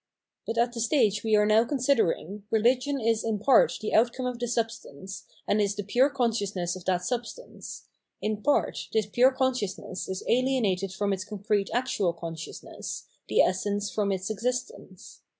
But at the stage we are now considering, rehgion is in part the outcome of the substance, and is the pure consciousness of that substance ; in part this pure consciousness is ahenated from its concrete actual consciousness, the essence from its existence.